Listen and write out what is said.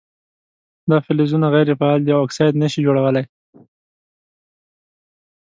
دا فلزونه غیر فعال دي او اکساید نه شي جوړولی.